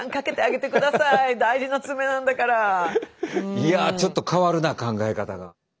いやちょっと変わるな考え方が。